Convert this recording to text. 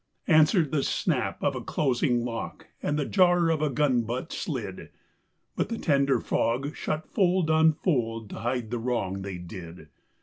Answered the snap of a closing lock and the jar of a gun butt slid, But the tender fog shut fold on fold to hide the wrong they did.